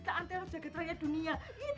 tak antara jagad raya dunia